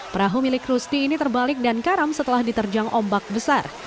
perahu milik rusti ini terbalik dan karam setelah diterjang ombak besar